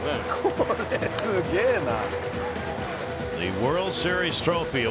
これすげえな。